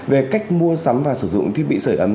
về cách mua sắm và sử dụng thiết bị sửa ấm